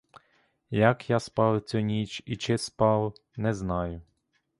Як я спав цю ніч і чи спав, не знаю.